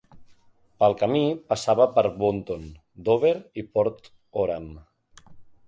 Pel camí, passava per Boonton, Dover i Port Oram.